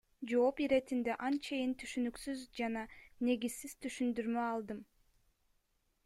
Жооп иретинде анчейин түшүнүксүз жана негизсиз түшүндүрмө алдым.